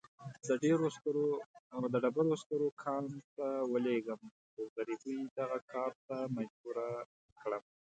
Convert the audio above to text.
د ډبرو سکرو کان ته ولېږم، خو غريبۍ دغه کار ته مجبوره کړمه.